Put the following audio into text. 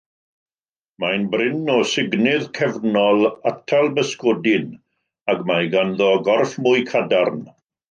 Mae'n brin o sugnydd cefnol atalbysgodyn ac mae ganddo gorff mwy cadarn.